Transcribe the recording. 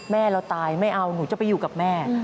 แม่เราตายไม่เอาหนูจะไปอยู่กับแม่